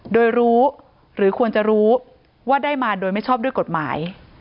โดยรู้หรือควรจะรู้ว่าได้มาโดยไม่ชอบด้วยกฎหมาย